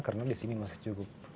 karena di sini masih cukup